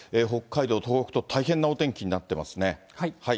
北海道、東北と大変なお天気になってますね。